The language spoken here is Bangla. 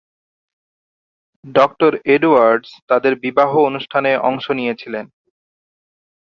ডঃ এডওয়ার্ডস তাদের বিবাহ অনুষ্ঠানে অংশ নিয়েছিলেন।